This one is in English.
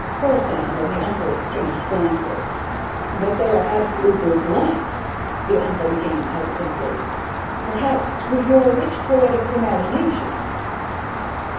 Corisande and the uncle exchanged glances. "But they are absolutely blank," the uncle began hesitantly. "Perhaps, with your rich poetic imagination...."